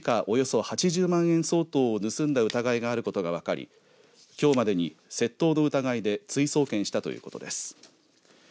およそ８０万円相当を盗んだ疑いがあることが分かりきょうまでに、窃盗の疑いで追送検したということです。